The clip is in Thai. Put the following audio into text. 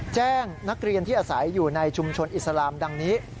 แจ้งนักเรียนที่อาศัยอยู่ในชุมชนอิสลามดังนี้